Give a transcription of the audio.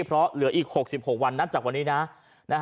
เพราะเหลืออีก๖๖วันนับจากวันนี้นะ